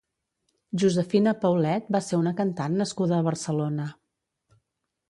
Josefina Paulet va ser una cantant nascuda a Barcelona.